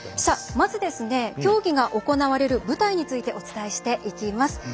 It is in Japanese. まず競技が行われる舞台についてお伝えしていきます。